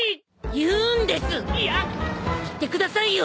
言ってくださいよ！